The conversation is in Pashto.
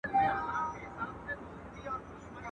ارزان بې علته نه وي، گران بې حکمته نه وي.